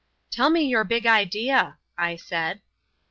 "Tell me your big idea," I said.